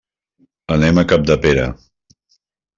Anem a Capdepera.